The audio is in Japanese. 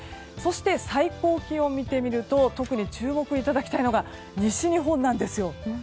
そして最高気温特に注目いただきたいのが西日本なんです。